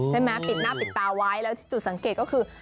ใช่ไหมปิดหน้าปิดตาไว้แล้วจุดสังเกตก็คือ